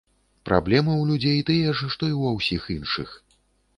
Праблемы ў людзей тыя ж, што і ва ўсіх іншых.